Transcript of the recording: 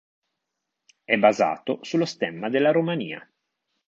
È basato sullo stemma della Romania.